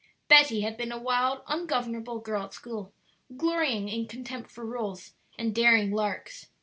Betty had been a wild, ungovernable girl at school, glorying in contempt for rules and daring "larks."